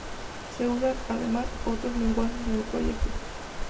Se usan, además, otros lenguajes en el proyecto.